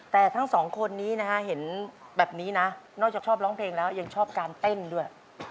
แต่ทั้งสองคนนี้นะฮะเห็นแบบนี้นะนอกจากชอบร้องเพลงแล้วยังชอบการเต้นด้วย